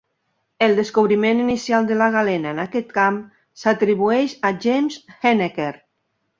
El descobriment inicial de la galena en aquest camp s'atribueix a James Heneker.